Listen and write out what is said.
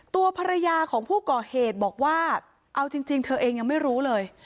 ตัวภรรยาของผู้ก่อเหตุบอกว่าเอาจริงเธอเองยังไม่รู้เลย